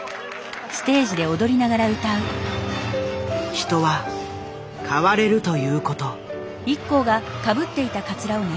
人は変われるという事。